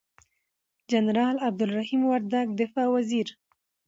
جنرال عبدالرحیم وردگ دفاع وزیر،